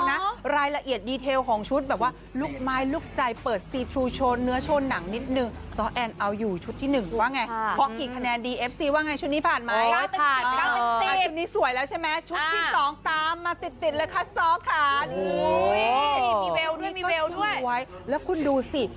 นี่ก็ดูไว้แล้วคุณดูสิ